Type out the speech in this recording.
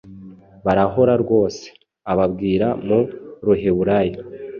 Barahora rwose. Ababwira mu ruheburayo